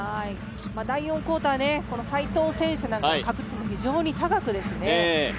第４クオーター、齋藤選手の確率も非常に高いですね。